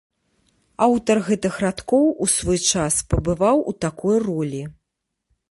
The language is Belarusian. Аўтар гэтых радкоў у свой час пабываў у такой ролі.